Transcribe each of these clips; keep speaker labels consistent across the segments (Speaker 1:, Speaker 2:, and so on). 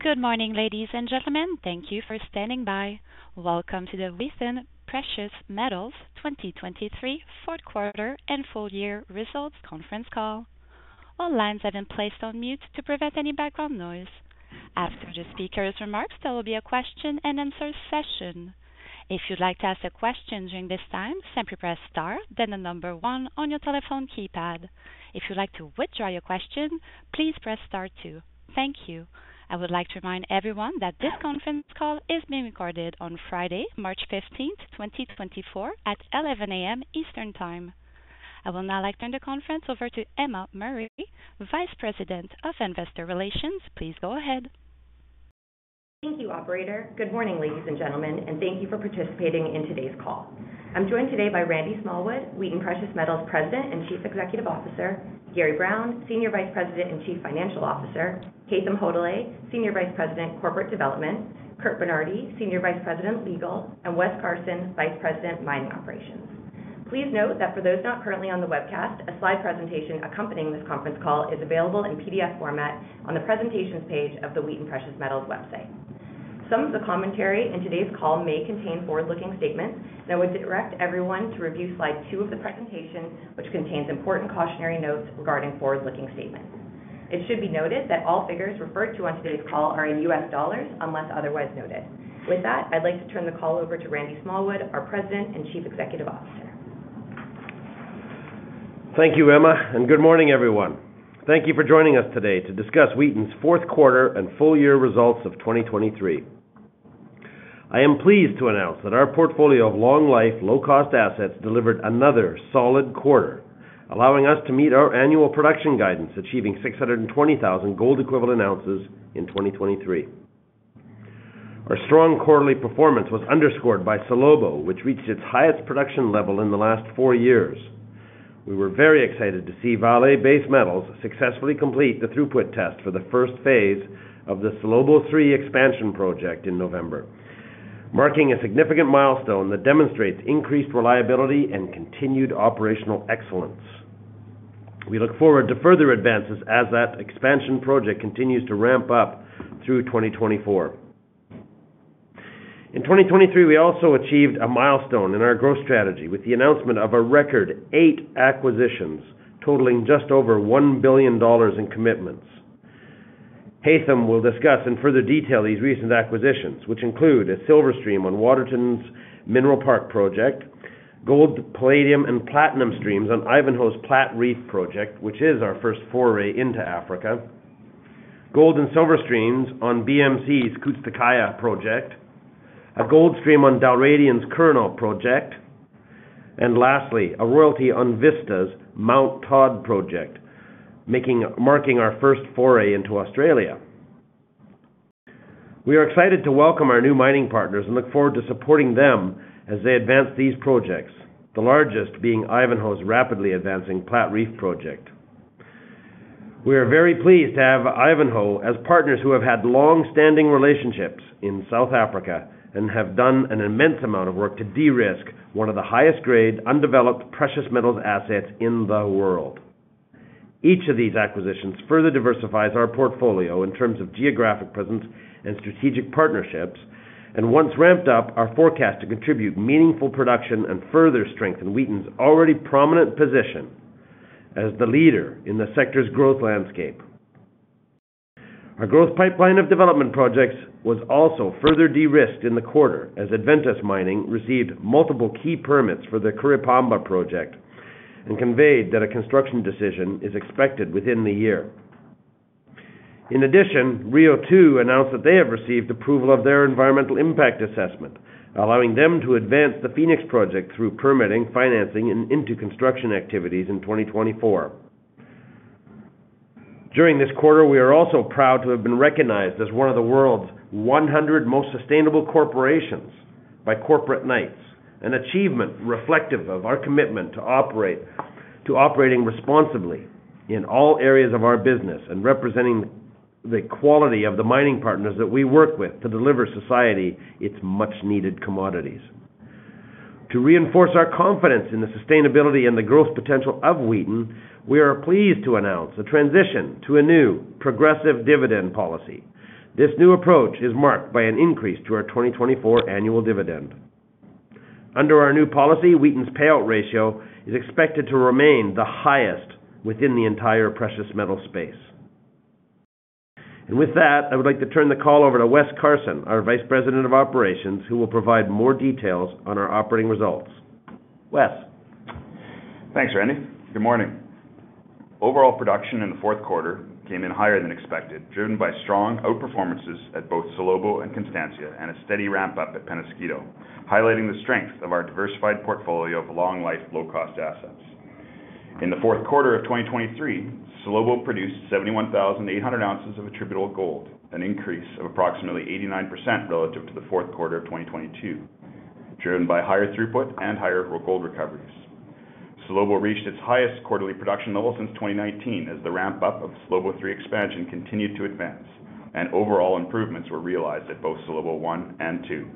Speaker 1: Good morning, ladies and gentlemen. Thank you for standing by. Welcome to the Wheaton Precious Metals 2023 fourth quarter and full-year results conference call. All lines have been placed on mute to prevent any background noise. After the speaker's remarks, there will be a question-and-answer session. If you'd like to ask a question during this time, simply press star, then the number one on your telephone keypad. If you'd like to withdraw your question, please press star, two. Thank you. I would like to remind everyone that this conference call is being recorded on Friday, March 15, 2024, at 11:00 A.M. Eastern Time. I will now turn the conference over to Emma Murray, Vice President of Investor Relations. Please go ahead.
Speaker 2: Thank you, operator. Good morning, ladies and gentlemen, and thank you for participating in today's call. I'm joined today by Randy Smallwood, Wheaton Precious Metals President and Chief Executive Officer, Gary Brown, Senior Vice President and Chief Financial Officer, Haytham Wanis, Senior Vice President, Corporate Development, Curt Bernardi, Senior Vice President, Legal, and Wes Carson, Vice President, Mining Operations. Please note that for those not currently on the webcast, a slide presentation accompanying this conference call is available in PDF format on the presentations page of the Wheaton Precious Metals website. Some of the commentary in today's call may contain forward-looking statements, and I would direct everyone to review slide 2 of the presentation, which contains important cautionary notes regarding forward-looking statements. It should be noted that all figures referred to on today's call are in U.S. dollars, unless otherwise noted. With that, I'd like to turn the call over to Randy Smallwood, our President and Chief Executive Officer.
Speaker 3: Thank you, Emma, and good morning, everyone. Thank you for joining us today to discuss Wheaton's fourth quarter and full-year results of 2023. I am pleased to announce that our portfolio of long-life, low-cost assets delivered another solid quarter, allowing us to meet our annual production guidance, achieving 620,000 gold-equivalent ounces in 2023. Our strong quarterly performance was underscored by Salobo, which reached its highest production level in the last four years. We were very excited to see Vale Base Metals successfully complete the throughput test for the first phase of the Salobo 3 expansion project in November, marking a significant milestone that demonstrates increased reliability and continued operational excellence. We look forward to further advances as that expansion project continues to ramp up through 2024. In 2023, we also achieved a milestone in our growth strategy with the announcement of a record 8 acquisitions, totaling just over $1 billion in commitments. Haytham will discuss in further detail these recent acquisitions, which include a silver stream on Waterton's Mineral Park project. Gold, palladium, and platinum streams on Ivanhoe's Platreef project, which is our first foray into Africa. Gold and silver streams on BMC's Kudz Ze Kayah project. A gold stream on Dalradian's Curraghinalt project. And lastly, a royalty on Vista's Mt Todd project, marking our first foray into Australia. We are excited to welcome our new mining partners and look forward to supporting them as they advance these projects, the largest being Ivanhoe's rapidly advancing Platreef project. We are very pleased to have Ivanhoe as partners who have had longstanding relationships in South Africa and have done an immense amount of work to de-risk one of the highest-grade, undeveloped precious metals assets in the world. Each of these acquisitions further diversifies our portfolio in terms of geographic presence and strategic partnerships, and once ramped up, our forecasts to contribute meaningful production and further strengthen Wheaton's already prominent position as the leader in the sector's growth landscape. Our growth pipeline of development projects was also further de-risked in the quarter as Adventus Mining received multiple key permits for the Curipamba project and conveyed that a construction decision is expected within the year. In addition, Rio2 announced that they have received approval of their Environmental Impact Assessment, allowing them to advance the Fenix project through permitting, financing, and into construction activities in 2024. During this quarter, we are also proud to have been recognized as one of the world's 100 most sustainable corporations by Corporate Knights, an achievement reflective of our commitment to operating responsibly in all areas of our business and representing the quality of the mining partners that we work with to deliver society its much-needed commodities. To reinforce our confidence in the sustainability and the growth potential of Wheaton, we are pleased to announce a transition to a new progressive dividend policy. This new approach is marked by an increase to our 2024 annual dividend. Under our new policy, Wheaton's payout ratio is expected to remain the highest within the entire precious metals space. With that, I would like to turn the call over to Wes Carson, our Vice President of Operations, who will provide more details on our operating results. Wes.
Speaker 4: Thanks, Randy. Good morning. Overall production in the fourth quarter came in higher than expected, driven by strong outperformances at both Salobo and Constancia and a steady ramp-up at Peñasquito, highlighting the strength of our diversified portfolio of long-life, low-cost assets. In the fourth quarter of 2023, Salobo produced 71,800 oz of attributable gold, an increase of approximately 89% relative to the fourth quarter of 2022, driven by higher throughput and higher gold recoveries. Salobo reached its highest quarterly production level since 2019 as the ramp-up of Salobo 3 expansion continued to advance, and overall improvements were realized at both Salobo 1 and 2.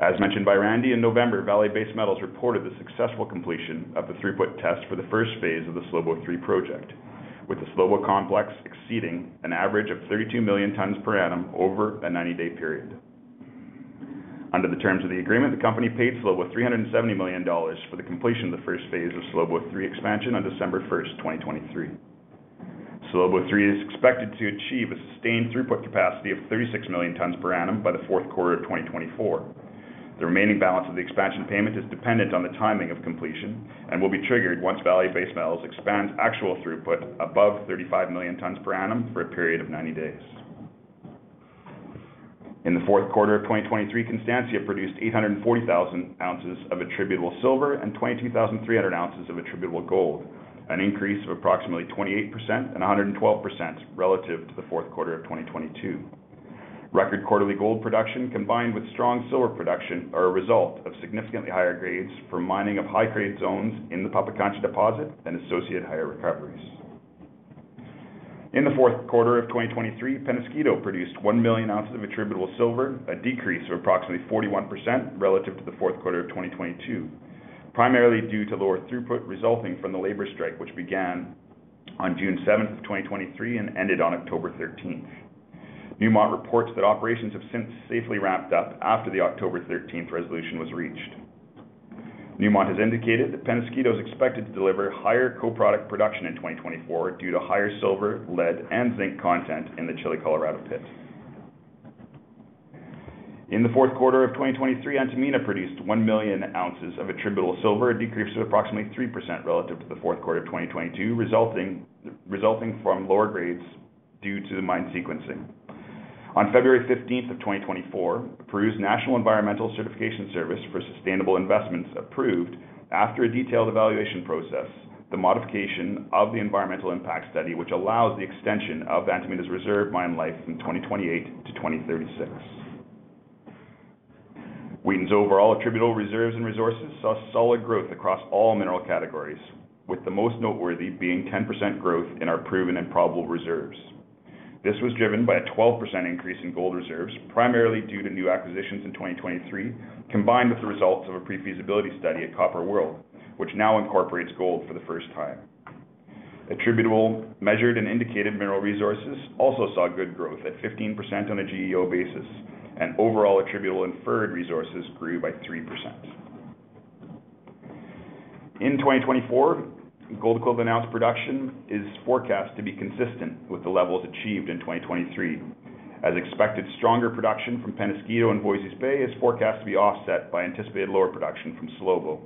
Speaker 4: As mentioned by Randy, in November, Vale Base Metals reported the successful completion of the throughput test for the first phase of the Salobo 3 project, with the Salobo complex exceeding an average of 32 million tons per annum over a 90-day period. Under the terms of the agreement, the company paid Salobo $370 million for the completion of the first phase of Salobo 3 expansion on December 1, 2023. Salobo 3 is expected to achieve a sustained throughput capacity of 36 million tons per annum by the fourth quarter of 2024. The remaining balance of the expansion payment is dependent on the timing of completion and will be triggered once Vale Base Metals expands actual throughput above 35 million tons per annum for a period of 90 days. In the fourth quarter of 2023, Constancia produced 840,000 ounces of attributable silver and 22,300 ounces of attributable gold, an increase of approximately 28% and 112% relative to the fourth quarter of 2022. Record quarterly gold production, combined with strong silver production, are a result of significantly higher grades from mining of high-grade zones in the Pampacancha deposit and associated higher recoveries. In the fourth quarter of 2023, Peñasquito produced 1 million oz of attributable silver, a decrease of approximately 41% relative to the fourth quarter of 2022, primarily due to lower throughput resulting from the labor strike, which began on June 7, 2023, and ended on October 13. Newmont reports that operations have since safely ramped up after the October 13 resolution was reached. Newmont has indicated that Peñasquito is expected to deliver higher co-product production in 2024 due to higher silver, lead, and zinc content in the Chile Colorado pit. In the fourth quarter of 2023, Antamina produced 1 million oz of attributable silver, a decrease of approximately 3% relative to the fourth quarter of 2022, resulting from lower grades due to the mine sequencing. On February 15, 2024, Peru's National Environmental Certification Service for Sustainable Investments approved, after a detailed evaluation process, the modification of the environmental impact study, which allows the extension of Antamina's reserve mine life from 2028 to 2036. Wheaton's overall attributable reserves and resources saw solid growth across all mineral categories, with the most noteworthy being 10% growth in our proven and probable reserves. This was driven by a 12% increase in gold reserves, primarily due to new acquisitions in 2023, combined with the results of a pre-feasibility study at Copper World, which now incorporates gold for the first time. Attributable, measured, and indicated mineral resources also saw good growth at 15% on a GEO basis, and overall attributable inferred resources grew by 3%. In 2024, Wheaton's announced production is forecast to be consistent with the levels achieved in 2023. As expected, stronger production from Peñasquito and Voisey's Bay is forecast to be offset by anticipated lower production from Salobo,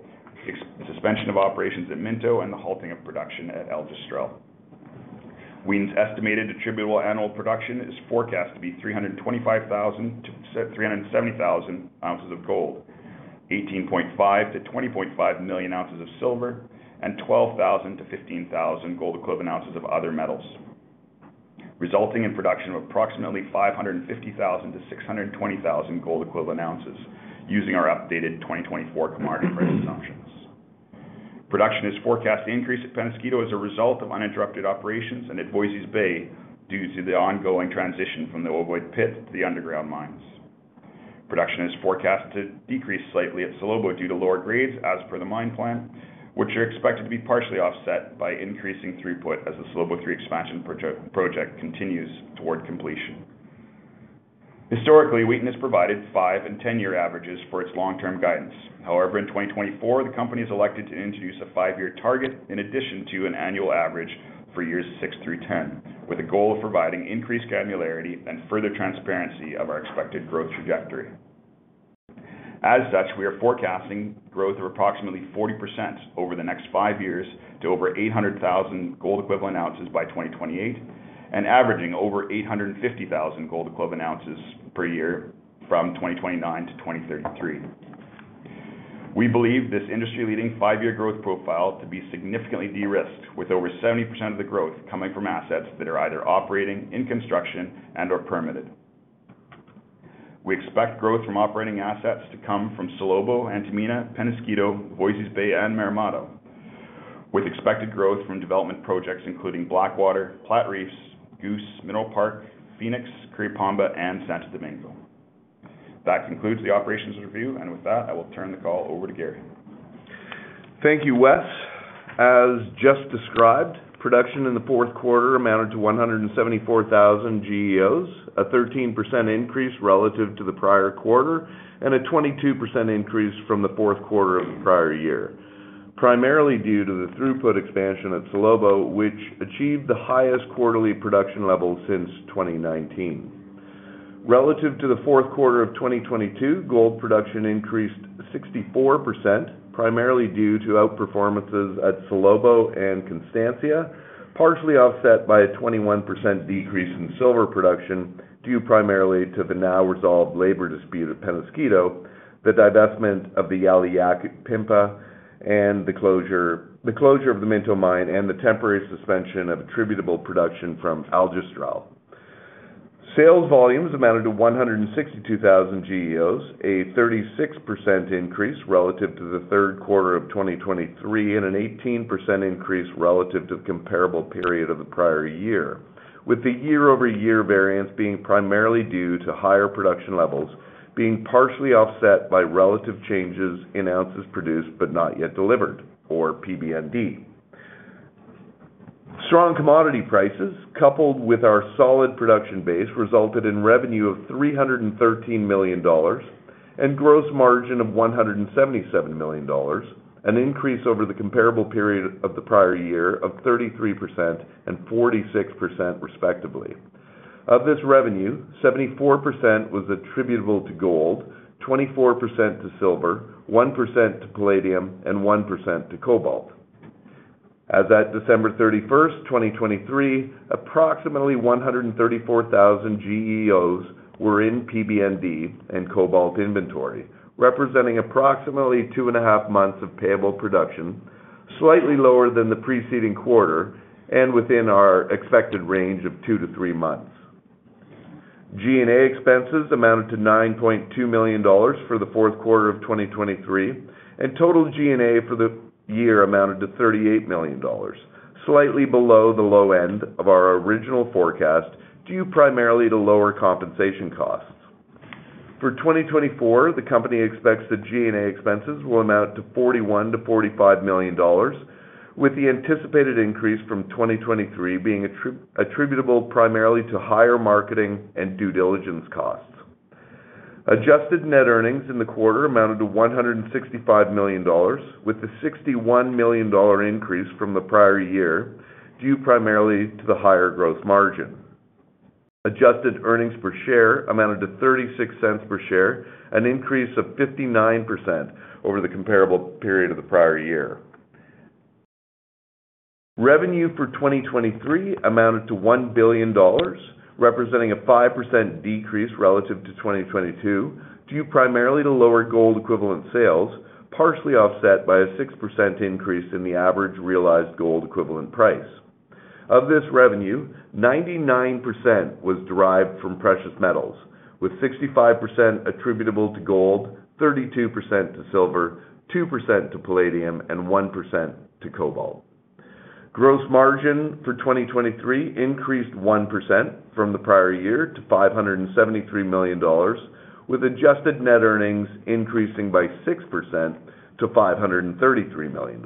Speaker 4: suspension of operations at Minto, and the halting of production at Aljustrel. Wheaton's estimated attributable annual production is forecast to be 370,000 oz of gold, 18.5 million oz-20.5 million oz of silver, and 12,000-15,000 gold equivalent ounces of other metals, resulting in production of approximately 550,000-620,000 gold equivalent ounces using our updated 2024 commodity price assumptions. Production is forecast to increase at Peñasquito as a result of uninterrupted operations and at Voisey's Bay due to the ongoing transition from the Ovoid pit to the underground mines. Production is forecast to decrease slightly at Salobo due to lower grades, as per the mine plan, which are expected to be partially offset by increasing throughput as the Salobo 3 expansion project continues toward completion. Historically, Wheaton has provided 5- and 10-year averages for its long-term guidance. However, in 2024, the company has elected to introduce a 5-year target in addition to an annual average for years 6 through 10, with a goal of providing increased granularity and further transparency of our expected growth trajectory. As such, we are forecasting growth of approximately 40% over the next 5 years to over 800,000 gold equivalent ounces by 2028, and averaging over 850,000 gold equivalent ounces per year from 2029 to 2033. We believe this industry-leading 5-year growth profile to be significantly de-risked, with over 70% of the growth coming from assets that are either operating, in construction, and/or permitted. We expect growth from operating assets to come from Salobo, Antamina, Peñasquito, Voisey's Bay, and Marmato, with expected growth from development projects including Blackwater, Platreef, Goose, Mineral Park, Fenix, Curipamba, and Santo Domingo. That concludes the operations review, and with that, I will turn the call over to Gary.
Speaker 5: Thank you, Wes. As just described, production in the fourth quarter amounted to 174,000 GEOs, a 13% increase relative to the prior quarter, and a 22% increase from the fourth quarter of the prior year, primarily due to the throughput expansion at Salobo, which achieved the highest quarterly production level since 2019. Relative to the fourth quarter of 2022, gold production increased 64%, primarily due to outperformances at Salobo and Constancia, partially offset by a 21% decrease in silver production due primarily to the now-resolved labor dispute at Peñasquito, the divestment of the Yauliyacu, the closure of the Minto mine, and the temporary suspension of attributable production from Aljustrel. Sales volumes amounted to 162,000 GEOs, a 36% increase relative to the third quarter of 2023, and an 18% increase relative to the comparable period of the prior year, with the year-over-year variance being primarily due to higher production levels being partially offset by relative changes in ounces produced but not yet delivered, or PBND. Strong commodity prices, coupled with our solid production base, resulted in revenue of $313 million and gross margin of $177 million, an increase over the comparable period of the prior year of 33% and 46%, respectively. Of this revenue, 74% was attributable to gold, 24% to silver, 1% to palladium, and 1% to cobalt. As at December 31, 2023, approximately 134,000 GEOs were in PBND and cobalt inventory, representing approximately two and a half months of payable production, slightly lower than the preceding quarter and within our expected range of two to three months. G&A expenses amounted to $9.2 million for the fourth quarter of 2023, and total G&A for the year amounted to $38 million, slightly below the low end of our original forecast due primarily to lower compensation costs. For 2024, the company expects the G&A expenses will amount to $41 million-$45 million, with the anticipated increase from 2023 being attributable primarily to higher marketing and due diligence costs. Adjusted net earnings in the quarter amounted to $165 million, with the $61 million increase from the prior year due primarily to the higher gross margin. Adjusted earnings per share amounted to $0.36 per share, an increase of 59% over the comparable period of the prior year. Revenue for 2023 amounted to $1 billion, representing a 5% decrease relative to 2022 due primarily to lower gold equivalent sales, partially offset by a 6% increase in the average realized gold equivalent price. Of this revenue, 99% was derived from precious metals, with 65% attributable to gold, 32% to silver, 2% to palladium, and 1% to cobalt. Gross margin for 2023 increased 1% from the prior year to $573 million, with adjusted net earnings increasing by 6% to $533 million.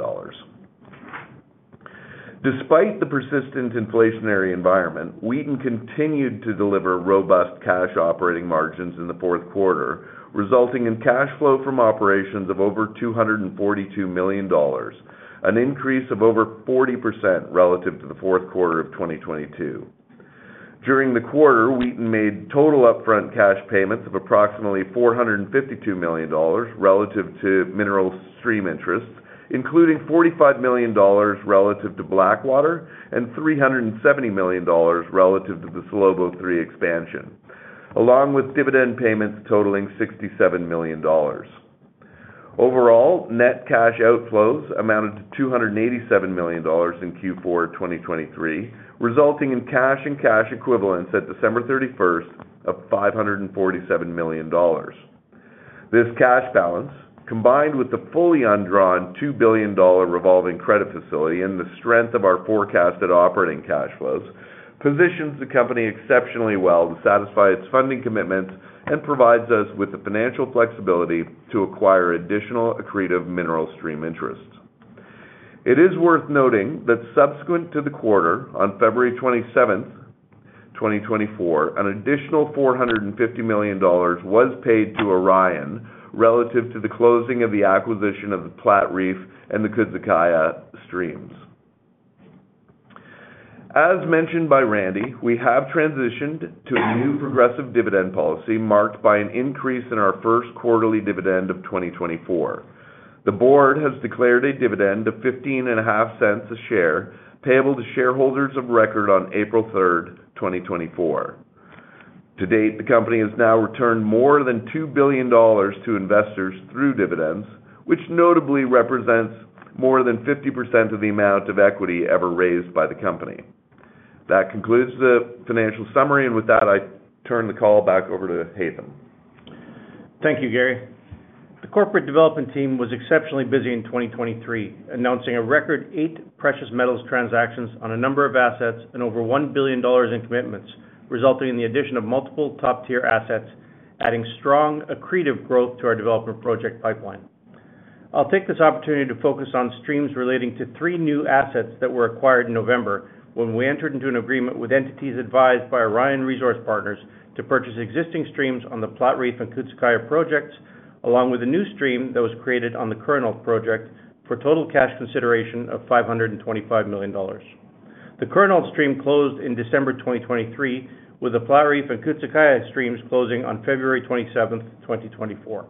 Speaker 5: Despite the persistent inflationary environment, Wheaton continued to deliver robust cash operating margins in the fourth quarter, resulting in cash flow from operations of over $242 million, an increase of over 40% relative to the fourth quarter of 2022. During the quarter, Wheaton made total upfront cash payments of approximately $452 million relative to mineral stream interests, including $45 million relative to Blackwater and $370 million relative to the Salobo 3 expansion, along with dividend payments totaling $67 million. Overall, net cash outflows amounted to $287 million in Q4 2023, resulting in cash and cash equivalents at December 31 of $547 million. This cash balance, combined with the fully undrawn $2 billion revolving credit facility and the strength of our forecasted operating cash flows, positions the company exceptionally well to satisfy its funding commitments and provides us with the financial flexibility to acquire additional accretive mineral stream interests. It is worth noting that subsequent to the quarter, on February 27, 2024, an additional $450 million was paid to Orion relative to the closing of the acquisition of the Platreef and the Kudz Ze Kayah streams. As mentioned by Randy, we have transitioned to a new progressive dividend policy marked by an increase in our first quarterly dividend of 2024. The Board has declared a dividend of $0.15 a share payable to shareholders of record on April 3, 2024. To date, the company has now returned more than $2 billion to investors through dividends, which notably represents more than 50% of the amount of equity ever raised by the company. That concludes the financial summary, and with that, I turn the call back over to Haytham.
Speaker 6: Thank you, Gary. The corporate development team was exceptionally busy in 2023, announcing a record eight precious metals transactions on a number of assets and over $1 billion in commitments, resulting in the addition of multiple top-tier assets, adding strong accretive growth to our development project pipeline. I'll take this opportunity to focus on streams relating to three new assets that were acquired in November when we entered into an agreement with entities advised by Orion Resource Partners to purchase existing streams on the Platreef and Kudz Ze Kayah projects, along with a new stream that was created on the Curraghinalt project for total cash consideration of $525 million. The Curraghinalt stream closed in December 2023, with the Platreef and Kudz Ze Kayah streams closing on February 27, 2024.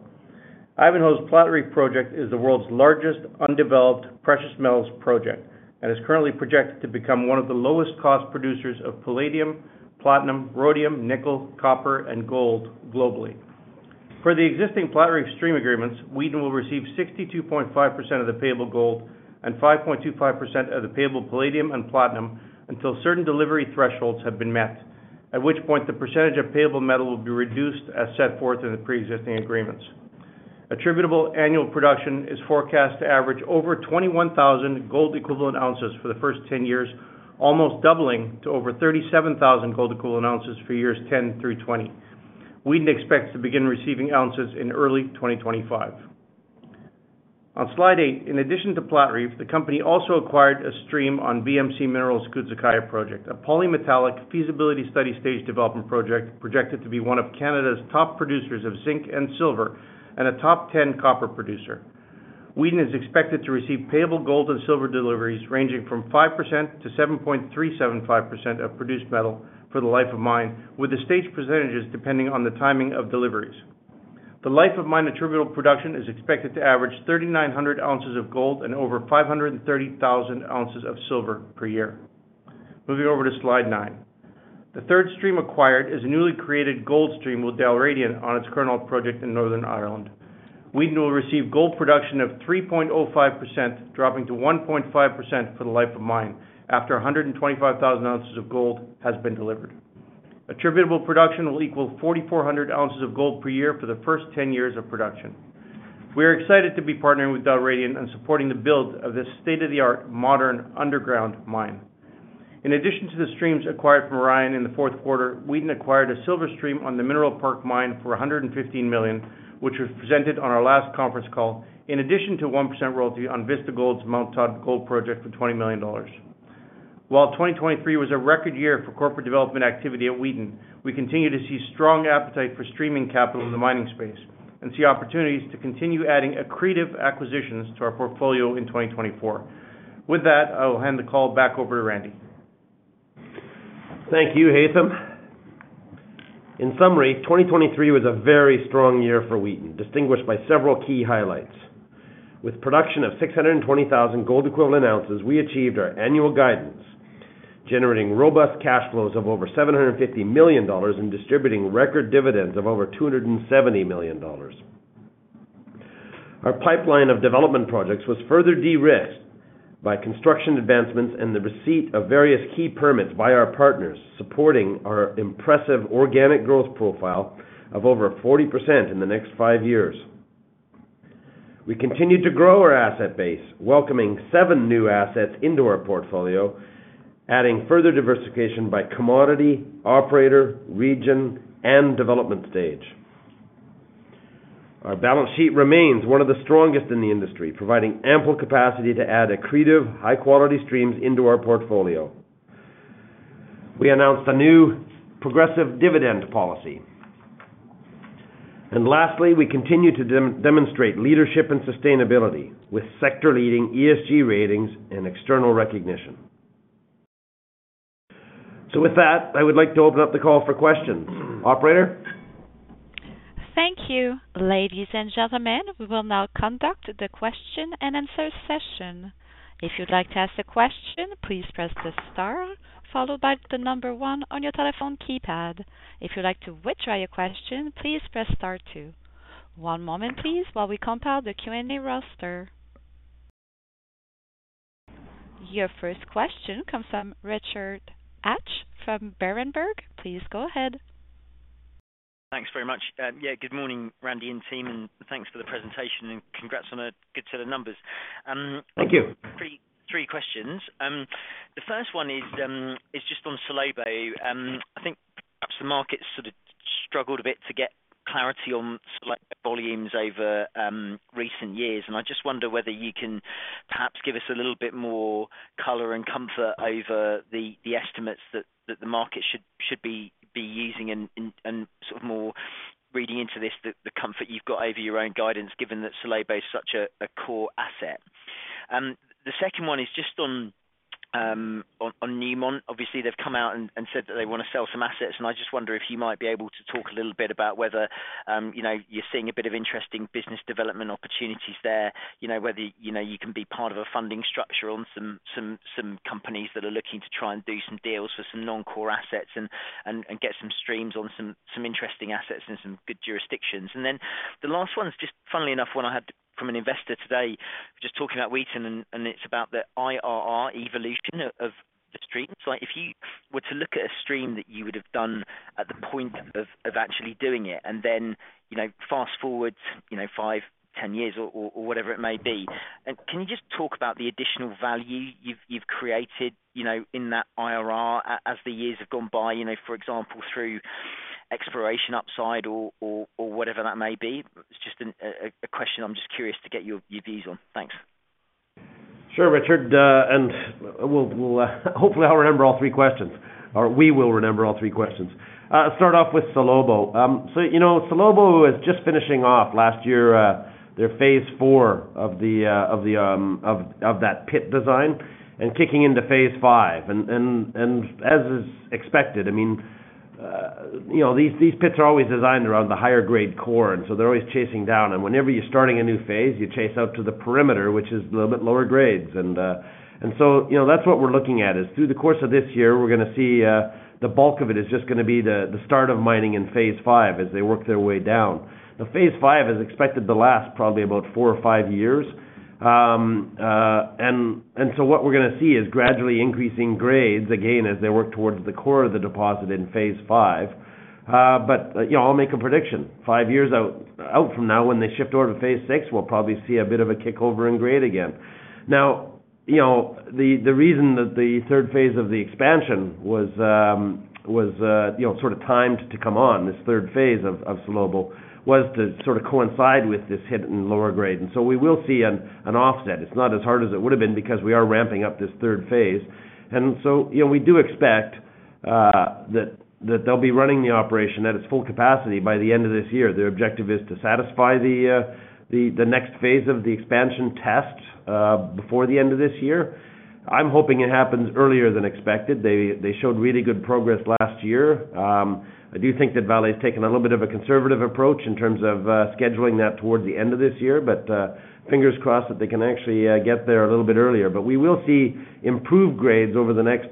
Speaker 6: Ivanhoe's Platreef project is the world's largest undeveloped precious metals project and is currently projected to become one of the lowest-cost producers of palladium, platinum, rhodium, nickel, copper, and gold globally. Per the existing Platreef stream agreements, Wheaton will receive 62.5% of the payable gold and 5.25% of the payable palladium and platinum until certain delivery thresholds have been met, at which point the percentage of payable metal will be reduced as set forth in the pre-existing agreements. Attributable annual production is forecast to average over 21,000 gold equivalent ounces for the first 10 years, almost doubling to over 37,000 gold equivalent ounces for years 10 through 20. Wheaton expects to begin receiving ounces in early 2025. On slide 8, in addition to Platreef, the company also acquired a stream on BMC Minerals' Kudz Ze Kayah project, a polymetallic feasibility study stage development project projected to be one of Canada's top producers of zinc and silver and a top 10 copper producer. Wheaton is expected to receive payable gold and silver deliveries ranging from 5%-7.375% of produced metal for the life of mine, with the stage percentages depending on the timing of deliveries. The life of mine attributable production is expected to average 3,900 oz of gold and over 530,000 oz of silver per year. Moving over to slide 9, the third stream acquired is a newly created gold stream with Dalradian on its Curraghinalt project in Northern Ireland. Wheaton will receive gold production of 3.05%, dropping to 1.5% for the life of mine after 125,000 oz of gold has been delivered. Attributable production will equal 4,400 oz of gold per year for the first 10 years of production. We are excited to be partnering with Dalradian and supporting the build of this state-of-the-art, modern underground mine. In addition to the streams acquired from Orion in the fourth quarter, Wheaton acquired a silver stream on the Mineral Park mine for $115 million, which was presented on our last conference call, in addition to 1% royalty on Vista Gold's Mt Todd gold project for $20 million. While 2023 was a record year for corporate development activity at Wheaton, we continue to see strong appetite for streaming capital in the mining space and see opportunities to continue adding accretive acquisitions to our portfolio in 2024. With that, I will hand the call back over to Randy.
Speaker 3: Thank you, Haytham. In summary, 2023 was a very strong year for Wheaton, distinguished by several key highlights. With production of 620,000 gold equivalent ounces, we achieved our annual guidance, generating robust cash flows of over $750 million and distributing record dividends of over $270 million. Our pipeline of development projects was further de-risked by construction advancements and the receipt of various key permits by our partners, supporting our impressive organic growth profile of over 40% in the next five years. We continued to grow our asset base, welcoming seven new assets into our portfolio, adding further diversification by commodity, operator, region, and development stage. Our balance sheet remains one of the strongest in the industry, providing ample capacity to add accretive, high-quality streams into our portfolio. We announced a new progressive dividend policy. Lastly, we continue to demonstrate leadership and sustainability with sector-leading ESG ratings and external recognition. With that, I would like to open up the call for questions. Operator?
Speaker 1: Thank you, ladies and gentlemen. We will now conduct the question and answer session. If you'd like to ask a question, please press the star followed by the number one on your telephone keypad. If you'd like to withdraw your question, please press star two. One moment, please, while we compile the Q&A roster. Your first question comes from Richard Hatch from Berenberg. Please go ahead.
Speaker 7: Thanks very much. Yeah, good morning, Randy and team, and thanks for the presentation, and congrats on a good set of numbers. Thank you. Three questions. The first one is just on Salobo. I think perhaps the market's sort of struggled a bit to get clarity on Salobo volumes over recent years, and I just wonder whether you can perhaps give us a little bit more color and comfort over the estimates that the market should be using and sort of more reading into this, the comfort you've got over your own guidance, given that Salobo is such a core asset. The second one is just on Newmont. Obviously, they've come out and said that they want to sell some assets, and I just wonder if you might be able to talk a little bit about whether you're seeing a bit of interesting business development opportunities there, whether you can be part of a funding structure on some companies that are looking to try and do some deals for some non-core assets and get some streams on some interesting assets in some good jurisdictions. And then the last one's just, funnily enough, one I had from an investor today just talking about Wheaton, and it's about the IRR evolution of the streams. If you were to look at a stream that you would have done at the point of actually doing it and then fast forward five, 10 years, or whatever it may be, can you just talk about the additional value you've created in that IRR as the years have gone by, for example, through exploration upside or whatever that may be? It's just a question I'm just curious to get your views on. Thanks.
Speaker 3: Sure, Richard. And hopefully, I'll remember all three questions, or we will remember all three questions. Start off with Salobo. So Salobo is just finishing off. Last year, they're phase IV of that pit design and kicking into phase five. And as is expected, I mean, these pits are always designed around the higher-grade core, and so they're always chasing down. And whenever you're starting a new phase, you chase out to the perimeter, which is a little bit lower grades. And so that's what we're looking at. Through the course of this year, we're going to see the bulk of it is just going to be the start of mining in phase five as they work their way down. The phase five is expected to last probably about four or five years. What we're going to see is gradually increasing grades, again, as they work towards the core of the deposit in phase five. But I'll make a prediction. Five years out from now, when they shift over to phase six, we'll probably see a bit of a kickover in grade again. Now, the reason that the third phase of the expansion was sort of timed to come on, this third phase of Salobo, was to sort of coincide with this hidden lower grade. And so we will see an offset. It's not as hard as it would have been because we are ramping up this third phase. And so we do expect that they'll be running the operation at its full capacity by the end of this year. Their objective is to satisfy the next phase of the expansion test before the end of this year. I'm hoping it happens earlier than expected. They showed really good progress last year. I do think that Vale has taken a little bit of a conservative approach in terms of scheduling that towards the end of this year, but fingers crossed that they can actually get there a little bit earlier. But we will see improved grades over the next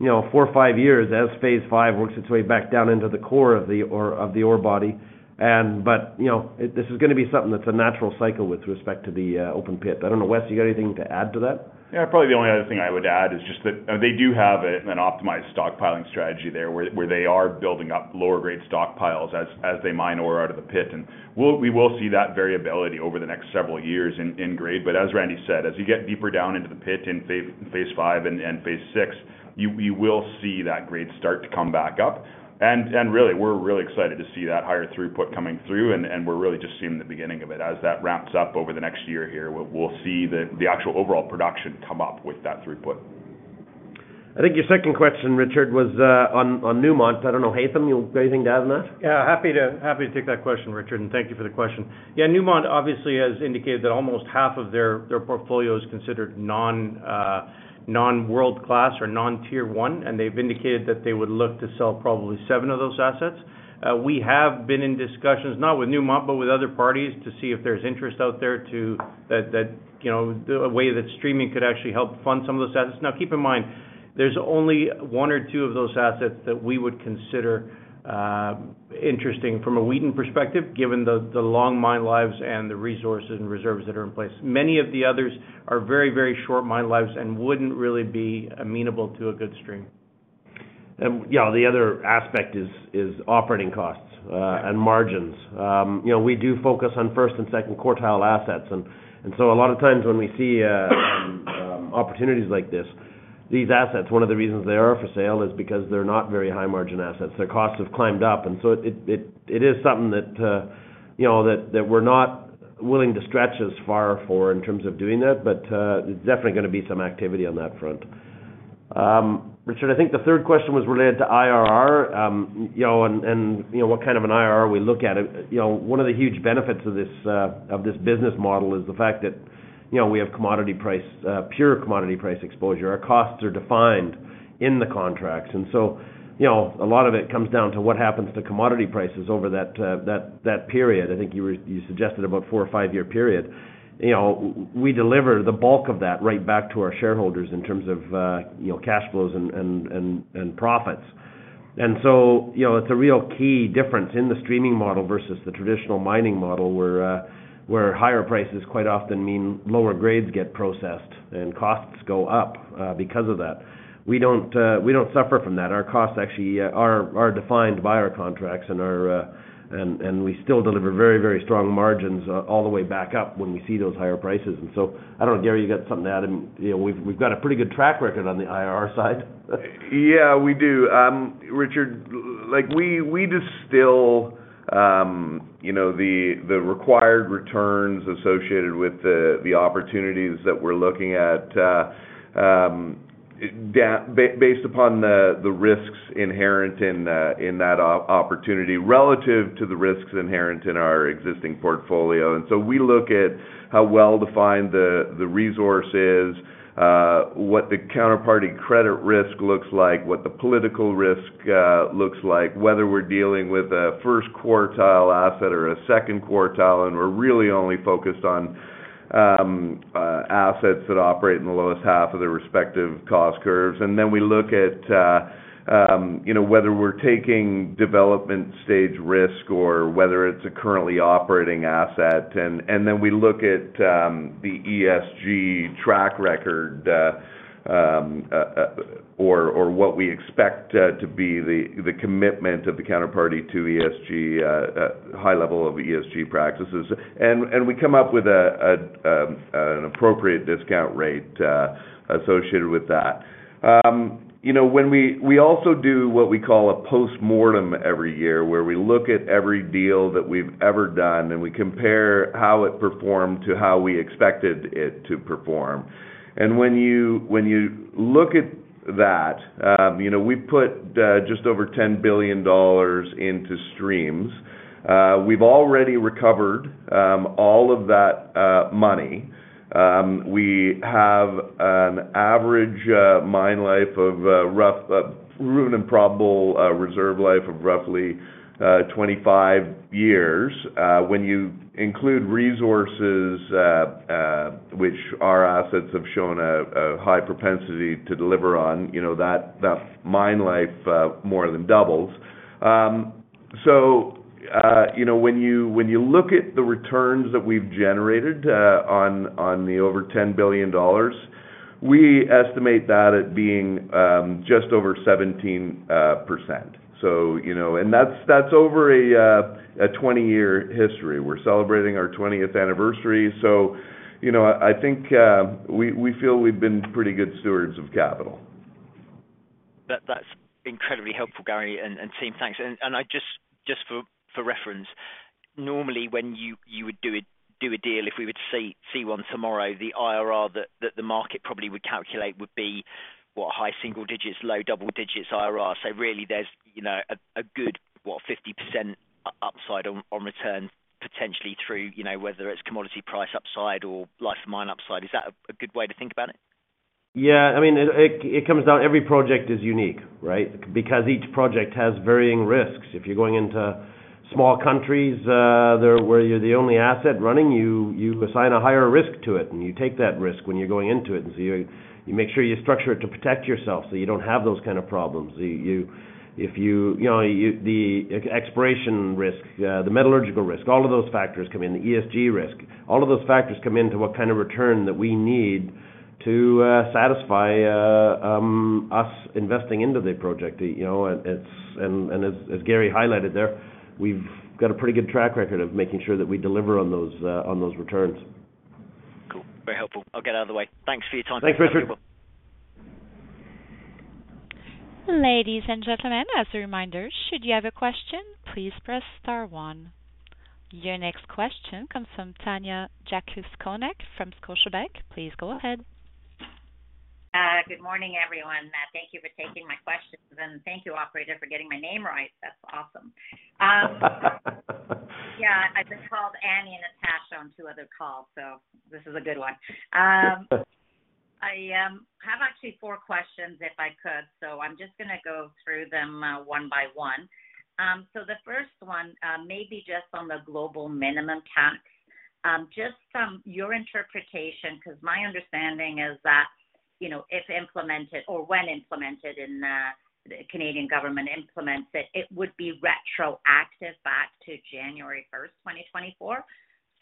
Speaker 3: 4 or 5 years as phase V works its way back down into the core of the ore body. But this is going to be something that's a natural cycle with respect to the open pit. I don't know, Wes, do you got anything to add to that?
Speaker 4: Yeah, probably the only other thing I would add is just that they do have an optimized stockpiling strategy there where they are building up lower-grade stockpiles as they mine ore out of the pit. We will see that variability over the next several years in grade. But as Randy said, as you get deeper down into the pit in phase 5 and phase 6, you will see that grade start to come back up. And really, we're really excited to see that higher throughput coming through, and we're really just seeing the beginning of it. As that ramps up over the next year here, we'll see the actual overall production come up with that throughput.
Speaker 3: I think your second question, Richard, was on Newmont. I don't know, Haytham, you got anything to add on that?
Speaker 6: Yeah, happy to take that question, Richard, and thank you for the question. Yeah, Newmont obviously has indicated that almost half of their portfolio is considered non-world-class or non-tier one, and they've indicated that they would look to sell probably seven of those assets. We have been in discussions, not with Newmont, but with other parties, to see if there's interest out there to a way that streaming could actually help fund some of those assets. Now, keep in mind, there's only one or two of those assets that we would consider interesting from a Wheaton perspective, given the long mine lives and the resources and reserves that are in place. Many of the others are very, very short mine lives and wouldn't really be amenable to a good stream.
Speaker 3: Yeah, the other aspect is operating costs and margins. We do focus on first and second quartile assets. And so a lot of times when we see opportunities like this, these assets, one of the reasons they are for sale is because they're not very high-margin assets. Their costs have climbed up. And so it is something that we're not willing to stretch as far for in terms of doing that, but it's definitely going to be some activity on that front. Richard, I think the third question was related to IRR and what kind of an IRR we look at. One of the huge benefits of this business model is the fact that we have pure commodity price exposure. Our costs are defined in the contracts. And so a lot of it comes down to what happens to commodity prices over that period. I think you suggested about 4- or 5-year period. We deliver the bulk of that right back to our shareholders in terms of cash flows and profits. And so it's a real key difference in the streaming model versus the traditional mining model where higher prices quite often mean lower grades get processed and costs go up because of that. We don't suffer from that. Our costs actually are defined by our contracts, and we still deliver very, very strong margins all the way back up when we see those higher prices. And so I don't know, Gary, you got something to add? We've got a pretty good track record on the IRR side.
Speaker 5: Yeah, we do. Richard, we distill the required returns associated with the opportunities that we're looking at based upon the risks inherent in that opportunity relative to the risks inherent in our existing portfolio. And so we look at how well defined the resource is, what the counterparty credit risk looks like, what the political risk looks like, whether we're dealing with a first quartile asset or a second quartile, and we're really only focused on assets that operate in the lowest half of their respective cost curves. And then we look at whether we're taking development-stage risk or whether it's a currently operating asset. And then we look at the ESG track record or what we expect to be the commitment of the counterparty to high-level of ESG practices. And we come up with an appropriate discount rate associated with that. We also do what we call a postmortem every year where we look at every deal that we've ever done, and we compare how it performed to how we expected it to perform. When you look at that, we put just over $10 billion into streams. We've already recovered all of that money. We have an average mine life of proven and probable reserve life of roughly 25 years. When you include resources, which our assets have shown a high propensity to deliver on, that mine life more than doubles. When you look at the returns that we've generated on the over $10 billion, we estimate that at being just over 17%. And that's over a 20-year history. We're celebrating our 20th anniversary. I think we feel we've been pretty good stewards of capital.
Speaker 7: That's incredibly helpful, Gary and team. Thanks. Just for reference, normally, when you would do a deal, if we would see one tomorrow, the IRR that the market probably would calculate would be, what, a high single-digit, low double-digit IRR? Really, there's a good, what, 50% upside on return potentially through whether it's commodity price upside or life of mine upside. Is that a good way to think about it?
Speaker 3: Yeah. I mean, it comes down to every project is unique, right, because each project has varying risks. If you're going into small countries where you're the only asset running, you assign a higher risk to it, and you take that risk when you're going into it. And so you make sure you structure it to protect yourself so you don't have those kind of problems. If the exploration risk, the metallurgical risk, all of those factors come in, the ESG risk, all of those factors come into what kind of return that we need to satisfy us investing into the project. And as Gary highlighted there, we've got a pretty good track record of making sure that we deliver on those returns.
Speaker 7: Cool. Very helpful. I'll get out of the way. Thanks for your time.
Speaker 3: Thanks, Richard.
Speaker 1: Ladies and gentlemen, as a reminder, should you have a question, please press star one. Your next question comes from Tanya Jakusconek from Scotiabank. Please go ahead.
Speaker 8: Good morning, everyone. Thank you for taking my questions. Thank you, operator, for getting my name right. That's awesome. Yeah, I've been called Annie and Natasha on two other calls, so this is a good one. I have actually four questions, if I could, so I'm just going to go through them one by one. The first one may be just on the Global Minimum Tax. Just your interpretation, because my understanding is that if implemented or when implemented and the Canadian government implements it, it would be retroactive back to January 1st, 2024.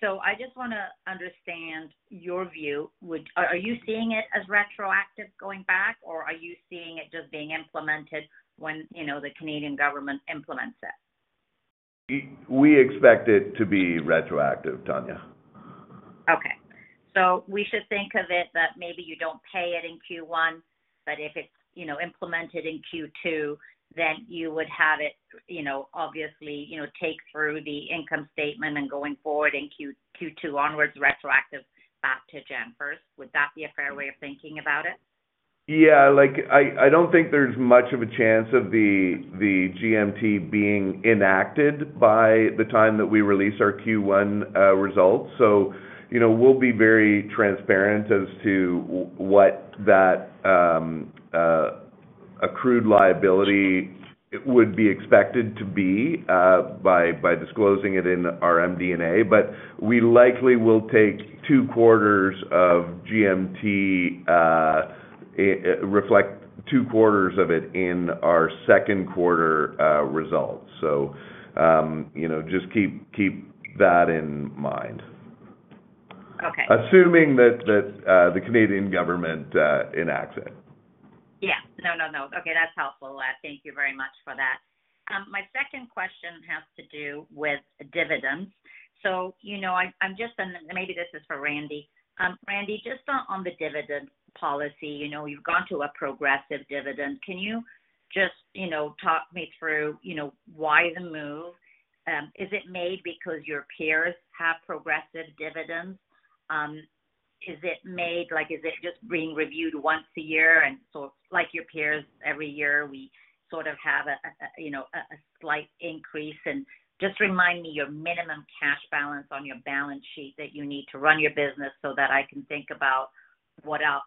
Speaker 8: I just want to understand your view. Are you seeing it as retroactive going back, or are you seeing it just being implemented when the Canadian government implements it?
Speaker 5: We expect it to be retroactive, Tanya.
Speaker 8: Okay. So we should think of it that maybe you don't pay it in Q1, but if it's implemented in Q2, then you would have it obviously take through the income statement and going forward in Q2 onwards retroactive back to January 1st. Would that be a fair way of thinking about it?
Speaker 5: Yeah. I don't think there's much of a chance of the GMT being enacted by the time that we release our Q1 results. So we'll be very transparent as to what that accrued liability would be expected to be by disclosing it in our MD&A. But we likely will take two quarters of GMT reflect two quarters of it in our second-quarter results. So just keep that in mind, assuming that the Canadian government enacts it.
Speaker 8: Yeah. No, no, no. Okay, that's helpful. Thank you very much for that. My second question has to do with dividends. So I'm just and maybe this is for Randy. Randy, just on the dividend policy, you've gone to a progressive dividend. Can you just talk me through why the move? Is it made because your peers have progressive dividends? Is it just being reviewed once a year? And so like your peers, every year, we sort of have a slight increase. And just remind me your minimum cash balance on your balance sheet that you need to run your business so that I can think about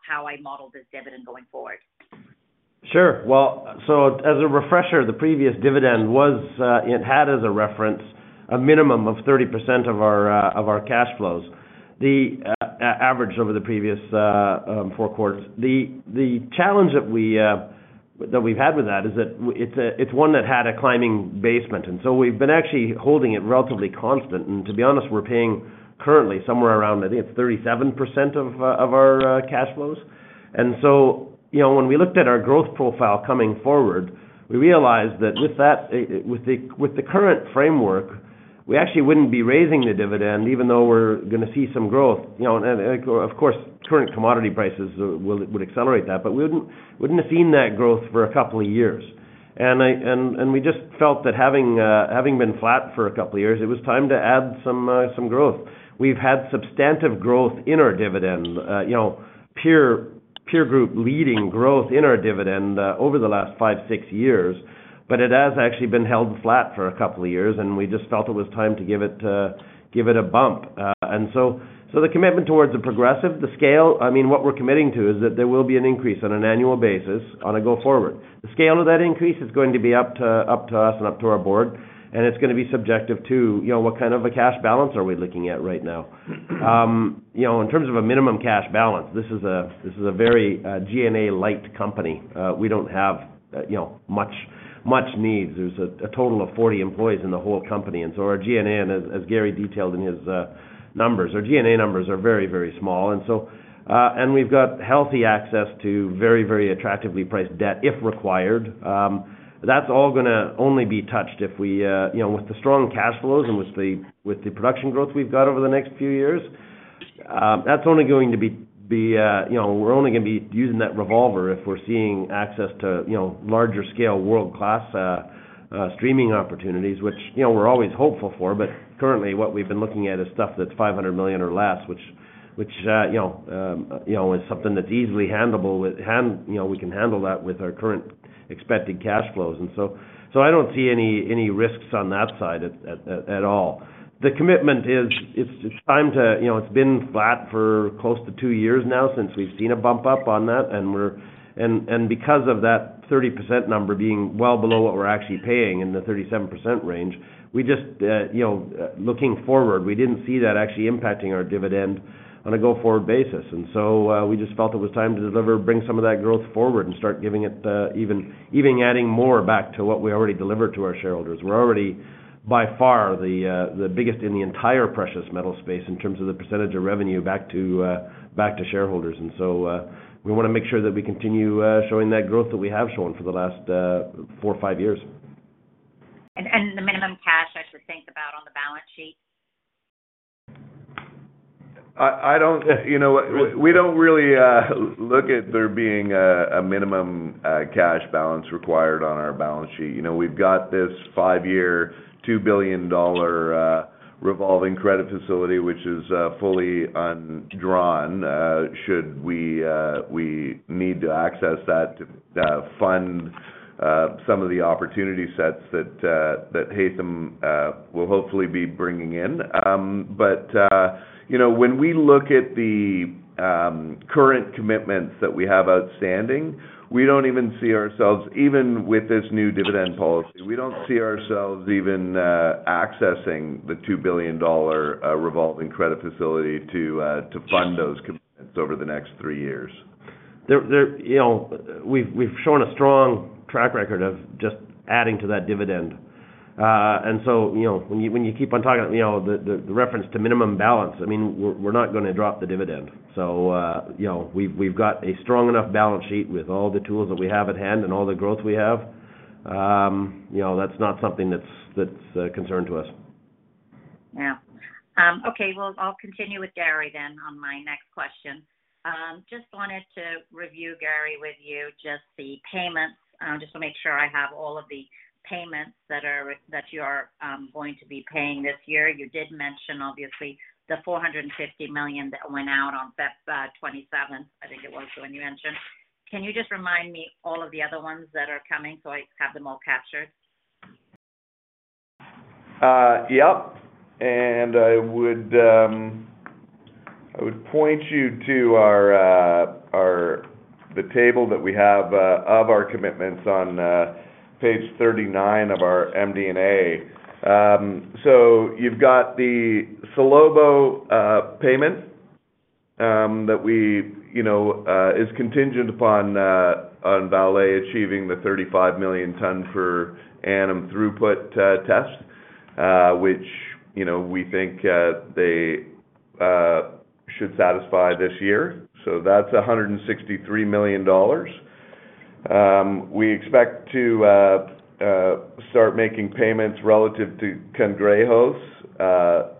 Speaker 8: how I model this dividend going forward.
Speaker 3: Sure. Well, so as a refresher, the previous dividend was it had as a reference a minimum of 30% of our cash flows, the average over the previous four quarters. The challenge that we've had with that is that it's one that had a climbing basement. And so we've been actually holding it relatively constant. And to be honest, we're paying currently somewhere around, I think it's 37% of our cash flows. And so when we looked at our growth profile coming forward, we realized that with the current framework, we actually wouldn't be raising the dividend even though we're going to see some growth. And of course, current commodity prices would accelerate that, but we wouldn't have seen that growth for a couple of years. And we just felt that having been flat for a couple of years, it was time to add some growth. We've had substantive growth in our dividend, peer group leading growth in our dividend over the last 5, 6 years, but it has actually been held flat for a couple of years, and we just felt it was time to give it a bump. So the commitment towards a progressive, the scale I mean, what we're committing to is that there will be an increase on an annual basis on a go forward. The scale of that increase is going to be up to us and up to our Board, and it's going to be subject to what kind of a cash balance are we looking at right now. In terms of a minimum cash balance, this is a very G&A-light company. We don't have much needs. There's a total of 40 employees in the whole company. Our G&A, and as Gary detailed in his numbers, our G&A numbers are very, very small. We've got healthy access to very, very attractively priced debt if required. That's all going to only be touched if we with the strong cash flows and with the production growth we've got over the next few years, that's only going to be we're only going to be using that revolver if we're seeing access to larger-scale, world-class streaming opportunities, which we're always hopeful for. But currently, what we've been looking at is stuff that's $500 million or less, which is something that's easily handled with we can handle that with our current expected cash flows. And so I don't see any risks on that side at all. The commitment is it's time to it's been flat for close to two years now since we've seen a bump up on that. And because of that 30% number being well below what we're actually paying in the 37% range, we just looking forward, we didn't see that actually impacting our dividend on a go forward basis. And so we just felt it was time to deliver, bring some of that growth forward, and start giving it even adding more back to what we already delivered to our shareholders. We're already, by far, the biggest in the entire precious metal space in terms of the percentage of revenue back to shareholders. And so we want to make sure that we continue showing that growth that we have shown for the last four, five years.
Speaker 8: The minimum cash I should think about on the balance sheet?
Speaker 5: You know what? We don't really look at there being a minimum cash balance required on our balance sheet. We've got this five-year, $2 billion revolving credit facility, which is fully undrawn. Should we need to access that to fund some of the opportunity sets that Haytham will hopefully be bringing in? But when we look at the current commitments that we have outstanding, we don't even see ourselves even with this new dividend policy, we don't see ourselves even accessing the $2 billion revolving credit facility to fund those commitments over the next three years.
Speaker 3: We've shown a strong track record of just adding to that dividend. And so when you keep on talking about the reference to minimum balance, I mean, we're not going to drop the dividend. So we've got a strong enough balance sheet with all the tools that we have at hand and all the growth we have. That's not something that's a concern to us.
Speaker 8: Yeah. Okay. Well, I'll continue with Gary then on my next question. Just wanted to review, Gary, with you just the payments. I just want to make sure I have all of the payments that you are going to be paying this year. You did mention, obviously, the $450 million that went out on February 27th. I think it was the one you mentioned. Can you just remind me all of the other ones that are coming so I have them all captured?
Speaker 5: Yep. And I would point you to the table that we have of our commitments on page 39 of our MD&A. So you've got the Salobo payment that is contingent upon Vale achieving the 35 million ton per annum throughput tests, which we think they should satisfy this year. So that's $163 million. We expect to start making payments relative to Cangrejos.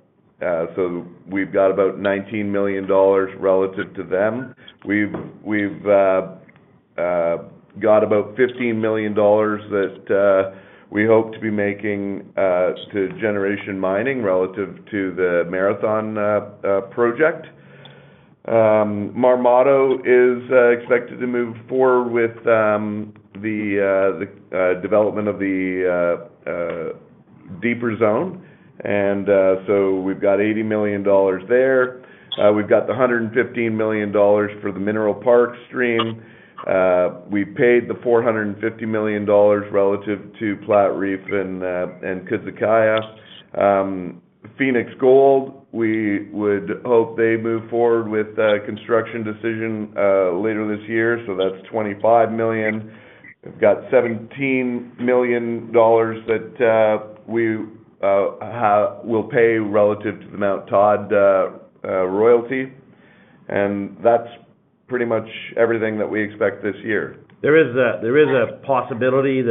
Speaker 5: So we've got about $19 million relative to them. We've got about $15 million that we hope to be making to Generation Mining relative to the Marathon project. Marmato is expected to move forward with the development of the Deeper Zone. And so we've got $80 million there. We've got the $115 million for the Mineral Park Stream. We paid the $450 million relative to Platreef and Kudz Ze Kayah. Fenix, we would hope they move forward with construction decision later this year. So that's $25 million. We've got $17 million that we will pay relative to the Mt Todd royalty. That's pretty much everything that we expect this year.
Speaker 3: There is a possibility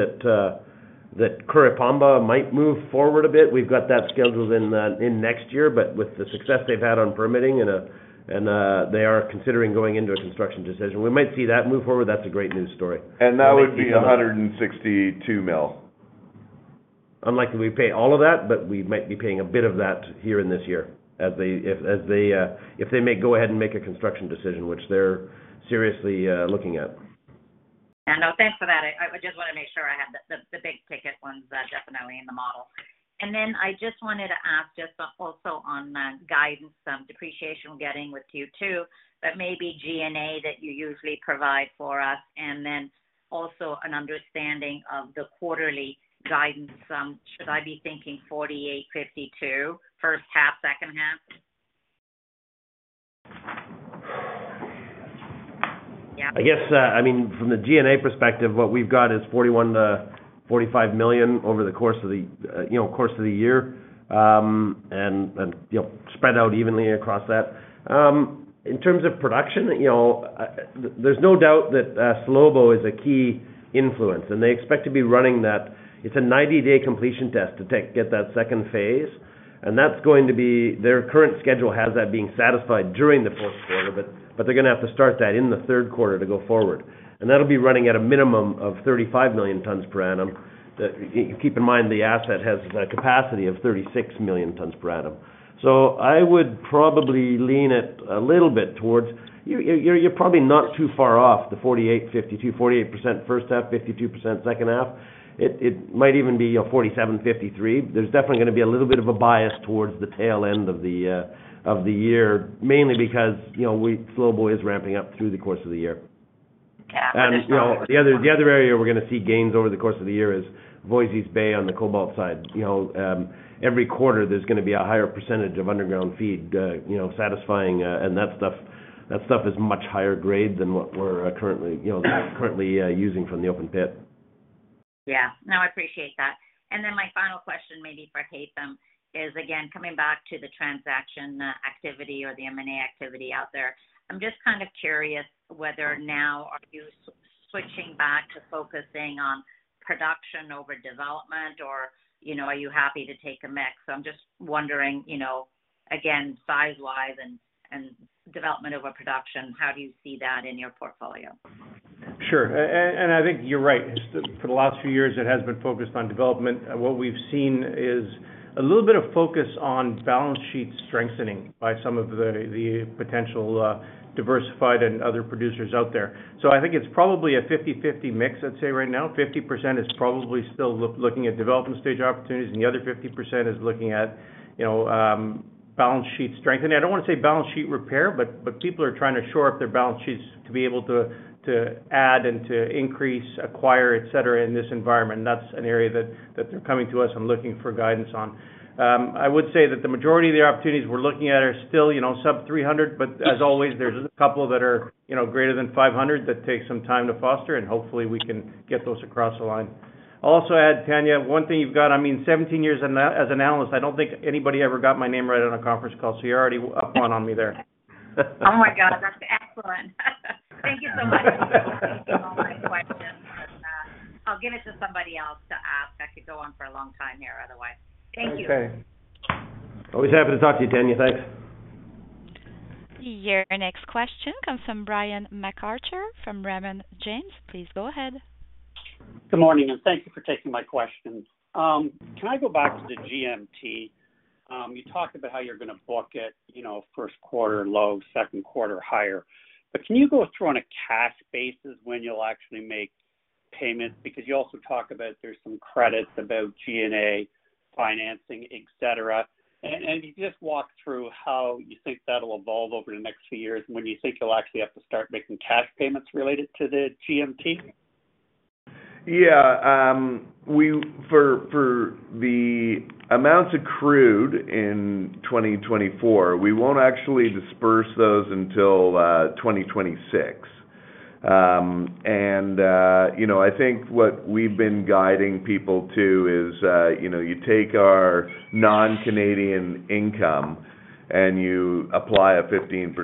Speaker 3: that Curipamba might move forward a bit. We've got that scheduled in next year, but with the success they've had on permitting, and they are considering going into a construction decision, we might see that move forward. That's a great news story.
Speaker 5: That would be $162 million.
Speaker 3: Unlikely we pay all of that, but we might be paying a bit of that here in this year if they make go ahead and make a construction decision, which they're seriously looking at.
Speaker 8: Yeah. No, thanks for that. I just want to make sure I had the big ticket ones definitely in the model. And then I just wanted to ask just also on guidance, depreciation we're getting with Q2, but maybe G&A that you usually provide for us, and then also an understanding of the quarterly guidance. Should I be thinking 48, 52, first half, second half?
Speaker 3: I guess, I mean, from the G&A perspective, what we've got is $41 million-$45 million over the course of the year and spread out evenly across that. In terms of production, there's no doubt that Salobo is a key influence, and they expect to be running that it's a 90-day completion test to get that second phase. And that's going to be their current schedule has that being satisfied during the fourth quarter, but they're going to have to start that in the third quarter to go forward. And that'll be running at a minimum of 35 million tons per annum. Keep in mind the asset has a capacity of 36 million tons per annum. So I would probably lean it a little bit towards you're probably not too far off the 48/52, 48% first half, 52% second half. It might even be 47/53. There's definitely going to be a little bit of a bias towards the tail end of the year, mainly because Salobo is ramping up through the course of the year. The other area we're going to see gains over the course of the year is Voisey's Bay on the cobalt side. Every quarter, there's going to be a higher percentage of underground feed satisfying, and that stuff is much higher grade than what we're currently using from the open pit.
Speaker 8: Yeah. No, I appreciate that. Then my final question maybe for Haytham is, again, coming back to the transaction activity or the M&A activity out there, I'm just kind of curious whether now are you switching back to focusing on production over development, or are you happy to take a mix? So I'm just wondering, again, size-wise and development over production, how do you see that in your portfolio?
Speaker 6: Sure. And I think you're right. For the last few years, it has been focused on development. What we've seen is a little bit of focus on balance sheet strengthening by some of the potential diversified and other producers out there. So I think it's probably a 50/50 mix, I'd say, right now. 50% is probably still looking at development stage opportunities, and the other 50% is looking at balance sheet strengthening. I don't want to say balance sheet repair, but people are trying to shore up their balance sheets to be able to add and to increase, acquire, etc. in this environment. That's an area that they're coming to us and looking for guidance on. I would say that the majority of the opportunities we're looking at are still sub-300, but as always, there's a couple that are greater than 500 that take some time to foster, and hopefully, we can get those across the line. I'll also add, Tanya, one thing you've got—I mean, 17 years as an analyst, I don't think anybody ever got my name right on a conference call, so you're already up one on me there.
Speaker 8: Oh my God. That's excellent. Thank you so much. Thank you for all my questions. I'll give it to somebody else to ask. I could go on for a long time here otherwise. Thank you.
Speaker 3: Okay. Always happy to talk to you, Tanya. Thanks.
Speaker 1: Your next question comes from Brian MacArthur from Raymond James. Please go ahead.
Speaker 9: Good morning, and thank you for taking my question. Can I go back to the GMT? You talked about how you're going to book it first quarter low, second quarter higher. But can you go through on a cash basis when you'll actually make payments? Because you also talk about there's some credits about G&A financing, etc. And if you could just walk through how you think that'll evolve over the next few years when you think you'll actually have to start making cash payments related to the GMT?
Speaker 5: Yeah. For the amounts accrued in 2024, we won't actually disperse those until 2026. And I think what we've been guiding people to is you take our non-Canadian income, and you apply a 15%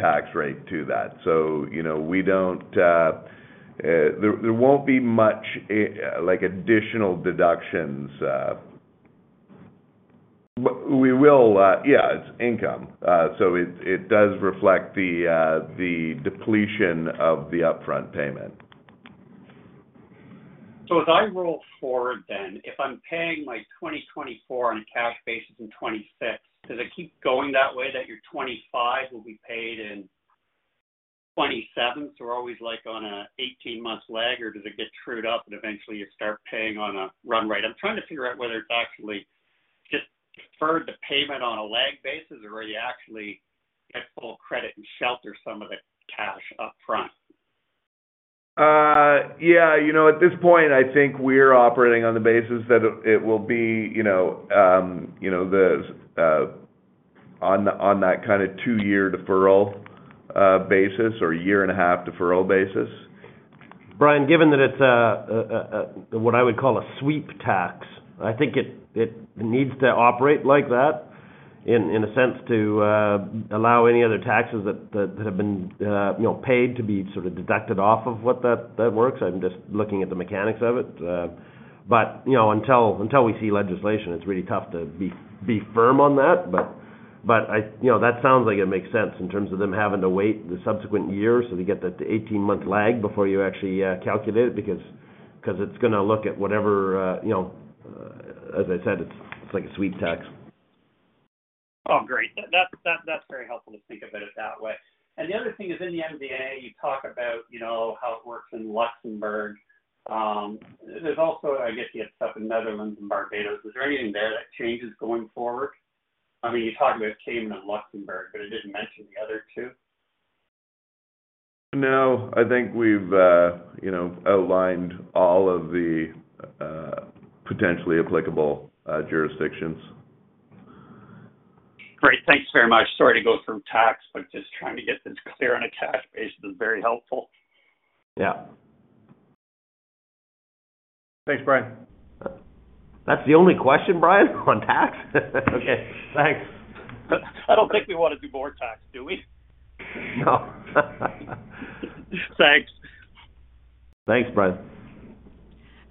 Speaker 5: tax rate to that. So, there won't be much additional deductions. We will, yeah, it's income. So it does reflect the depletion of the upfront payment.
Speaker 9: So as I roll forward then, if I'm paying my 2024 on a cash basis in 2026, does it keep going that way, that your 2025 will be paid in 2027? So we're always on an 18-month lag, or does it get trued up and eventually, you start paying on a run rate? I'm trying to figure out whether it's actually just deferred the payment on a lag basis, or are you actually get full credit and shelter some of the cash upfront?
Speaker 5: Yeah. At this point, I think we're operating on the basis that it will be on that kind of 2-year deferral basis or 1.5-year deferral basis.
Speaker 3: Brian, given that it's what I would call a sweep tax, I think it needs to operate like that in a sense to allow any other taxes that have been paid to be sort of deducted off of what that works. I'm just looking at the mechanics of it. But until we see legislation, it's really tough to be firm on that. But that sounds like it makes sense in terms of them having to wait the subsequent year so they get that 18-month lag before you actually calculate it because it's going to look at whatever as I said, it's like a sweep tax.
Speaker 9: Oh, great. That's very helpful to think of it that way. And the other thing is in the MD&A, you talk about how it works in Luxembourg. There's also I guess you have stuff in Netherlands and Barbados. Is there anything there that changes going forward? I mean, you talked about Cayman and Luxembourg, but it didn't mention the other two.
Speaker 5: No. I think we've outlined all of the potentially applicable jurisdictions.
Speaker 9: Great. Thanks very much. Sorry to go through tax, but just trying to get this clear on a cash basis is very helpful.
Speaker 3: Yeah. Thanks, Brian. That's the only question, Brian, on tax? Okay. Thanks.
Speaker 9: I don't think we want to do more tax, do we?
Speaker 3: No.
Speaker 9: Thanks.
Speaker 3: Thanks, Brian.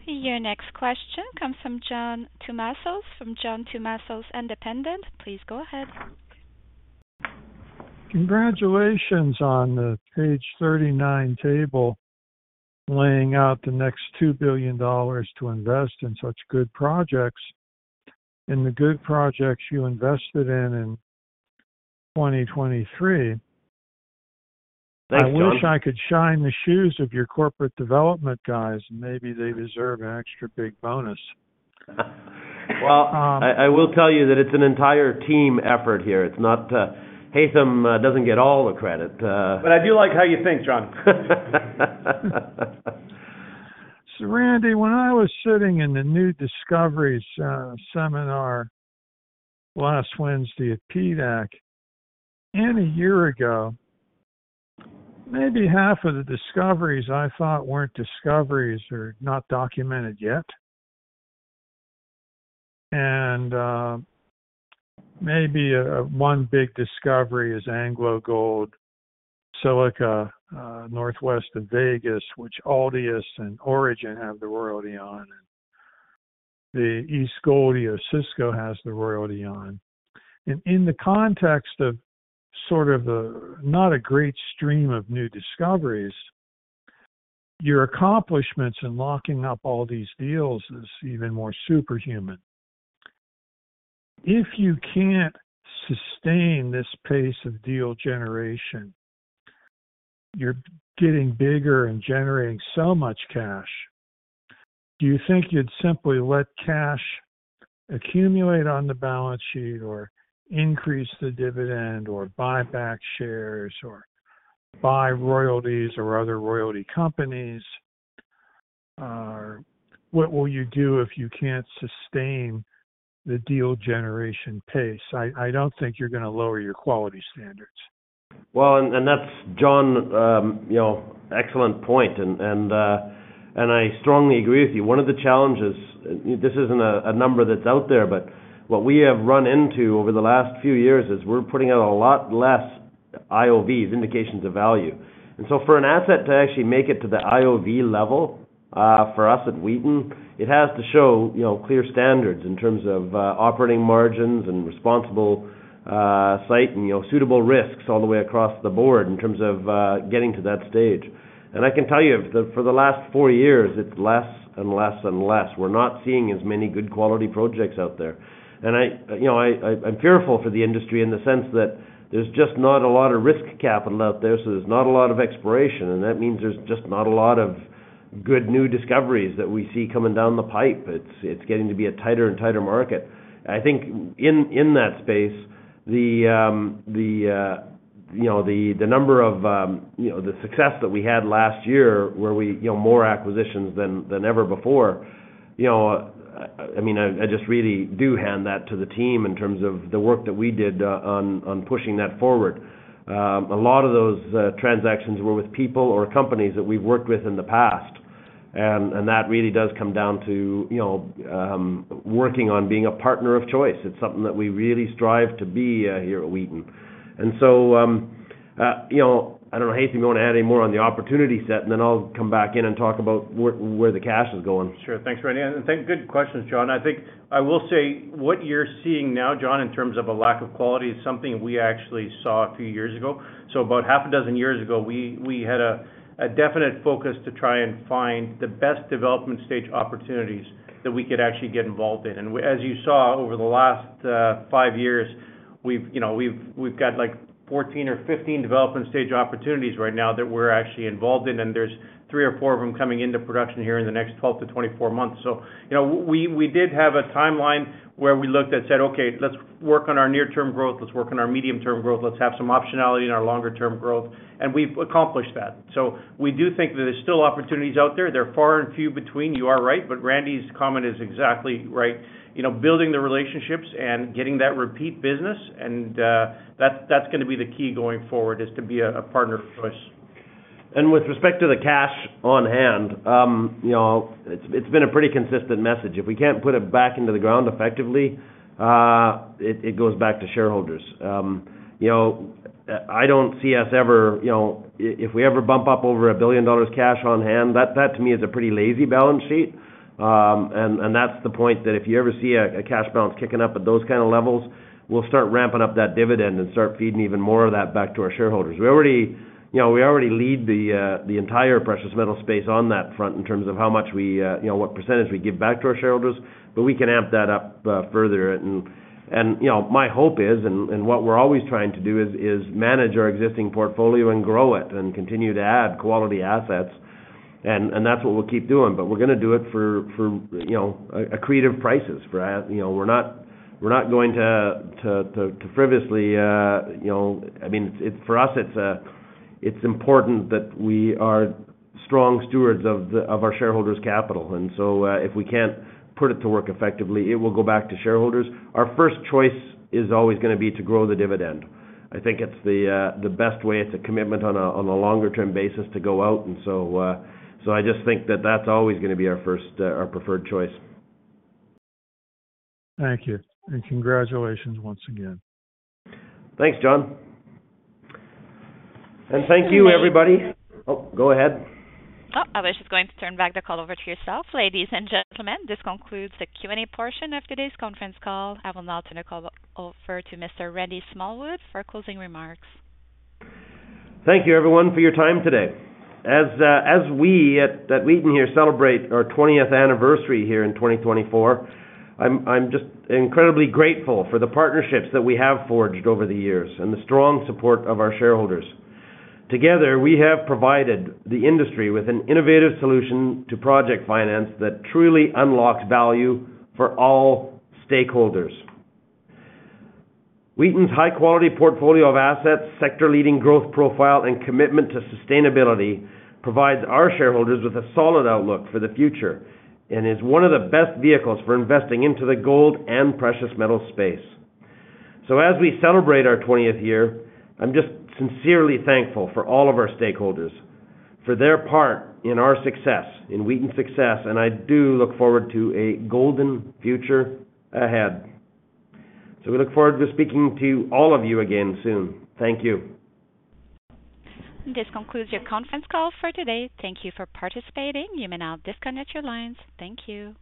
Speaker 1: Your next question comes from John Tumazos from John Tumazos Very Independent Research. Please go ahead.
Speaker 10: Congratulations on the page 39 table laying out the next $2 billion to invest in such good projects. In the good projects you invested in in 2023, I wish I could shine the shoes of your corporate development guys, and maybe they deserve an extra big bonus.
Speaker 3: Well, I will tell you that it's an entire team effort here. Haytham doesn't get all the credit.
Speaker 6: But I do like how you think, John.
Speaker 10: So, Randy, when I was sitting in the new discoveries seminar last Wednesday at PDAC, and a year ago, maybe half of the discoveries I thought weren't discoveries or not documented yet. And maybe one big discovery is AngloGold Ashanti, Silicon, northwest of Vegas, which Altius and Orogen have the royalty on, and the East Gouldie Osisko has the royalty on. And in the context of sort of the not a great stream of new discoveries, your accomplishments in locking up all these deals is even more superhuman. If you can't sustain this pace of deal generation, you're getting bigger and generating so much cash. Do you think you'd simply let cash accumulate on the balance sheet or increase the dividend or buy back shares or buy royalties or other royalty companies? What will you do if you can't sustain the deal generation pace? I don't think you're going to lower your quality standards.
Speaker 3: Well, and that's, John, excellent point, and I strongly agree with you. One of the challenges this isn't a number that's out there, but what we have run into over the last few years is we're putting out a lot less IOVs, indications of value. And so for an asset to actually make it to the IOV level for us at Wheaton, it has to show clear standards in terms of operating margins and responsible ESG and suitable risks all the way across the board in terms of getting to that stage. And I can tell you, for the last four years, it's less and less and less. We're not seeing as many good quality projects out there. I'm fearful for the industry in the sense that there's just not a lot of risk capital out there, so there's not a lot of exploration, and that means there's just not a lot of good new discoveries that we see coming down the pipe. It's getting to be a tighter and tighter market. I think in that space, the number of the success that we had last year where we more acquisitions than ever before, I mean, I just really do hand that to the team in terms of the work that we did on pushing that forward. A lot of those transactions were with people or companies that we've worked with in the past, and that really does come down to working on being a partner of choice. It's something that we really strive to be here at Wheaton. And so I don't know, Haytham, you want to add any more on the opportunity set, and then I'll come back in and talk about where the cash is going.
Speaker 6: Sure. Thanks, Randy. And good questions, John. I will say what you're seeing now, John, in terms of a lack of quality is something we actually saw a few years ago. So about 6 years ago, we had a definite focus to try and find the best development stage opportunities that we could actually get involved in. And as you saw, over the last 5 years, we've got 14 or 15 development stage opportunities right now that we're actually involved in, and there's 3 or 4 of them coming into production here in the next 12-24 months. So we did have a timeline where we looked at, said, "Okay, let's work on our near-term growth. Let's work on our medium-term growth. Let's have some optionality in our longer-term growth." And we've accomplished that. So we do think that there's still opportunities out there. They're far and few between. You are right, but Randy's comment is exactly right. Building the relationships and getting that repeat business, and that's going to be the key going forward, is to be a partner of choice.
Speaker 3: With respect to the cash on hand, it's been a pretty consistent message. If we can't put it back into the ground effectively, it goes back to shareholders. I don't see us ever, if we ever bump up over $1 billion cash on hand, that to me is a pretty lazy balance sheet. That's the point that if you ever see a cash balance kicking up at those kind of levels, we'll start ramping up that dividend and start feeding even more of that back to our shareholders. We already lead the entire precious metals space on that front in terms of how much we—what percentage we give back to our shareholders, but we can amp that up further. And my hope is, and what we're always trying to do, is manage our existing portfolio and grow it and continue to add quality assets, and that's what we'll keep doing. But we're going to do it for accretive prices. We're not going to frivolously, I mean, for us, it's important that we are strong stewards of our shareholders' capital. And so if we can't put it to work effectively, it will go back to shareholders. Our first choice is always going to be to grow the dividend. I think it's the best way. It's a commitment on a longer-term basis to go out. And so I just think that that's always going to be our first preferred choice.
Speaker 10: Thank you. Congratulations once again.
Speaker 3: Thanks, John. And thank you, everybody. Oh, go ahead.
Speaker 1: Oh, I was just going to turn back the call over to yourself. Ladies and gentlemen, this concludes the Q&A portion of today's conference call. I will now turn the call over to Mr. Randy Smallwood for closing remarks.
Speaker 3: Thank you, everyone, for your time today. As we at Wheaton here celebrate our 20th anniversary here in 2024, I'm just incredibly grateful for the partnerships that we have forged over the years and the strong support of our shareholders. Together, we have provided the industry with an innovative solution to project finance that truly unlocks value for all stakeholders. Wheaton's high-quality portfolio of assets, sector-leading growth profile, and commitment to sustainability provides our shareholders with a solid outlook for the future and is one of the best vehicles for investing into the gold and precious metals space. So as we celebrate our 20th year, I'm just sincerely thankful for all of our stakeholders for their part in our success, in Wheaton's success, and I do look forward to a golden future ahead. So we look forward to speaking to all of you again soon. Thank you.
Speaker 1: This concludes your conference call for today. Thank you for participating. You may now disconnect your lines. Thank you.